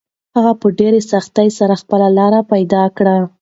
هغه په ډېرې سختۍ سره خپله لاره پیدا کړه.